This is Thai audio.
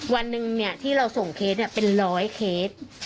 วันหนึ่งที่เราส่งเคสเป็นร้อยเคส